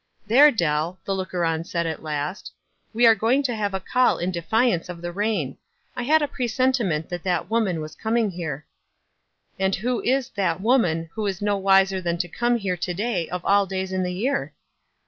"There, Dell!" the looker on said at last, "we arc going to have a call in defiance of the rain. I had a presentiment that that woman was coming here." " And who is f that woman ' who is no wiser than to come here to day, of all days in the year?"